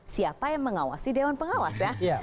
siapa yang mengawasi dewan pengawas ya